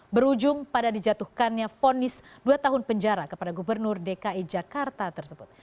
berujung pada dijatuhkannya fonis dua tahun penjara kepada gubernur dki jakarta tersebut